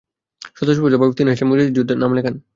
স্বতঃস্ফূর্তভাবে তিন হাজার মুজাহিদ যুদ্ধে নাম লেখান।